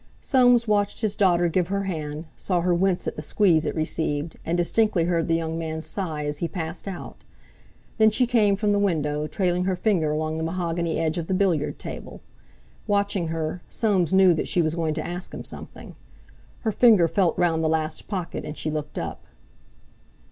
Soames watched his daughter give her hand, saw her wince at the squeeze it received, and distinctly heard the young man's sigh as he passed out. Then she came from the window, trailing her finger along the mahogany edge of the billiard table. Watching her, Soames knew that she was going to ask him something. Her finger felt round the last pocket, and she looked up.